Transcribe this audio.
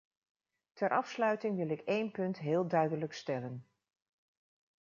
Ter afsluiting wil ik één punt heel duidelijk stellen.